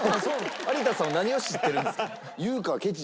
有田さんは何を知ってるんですか？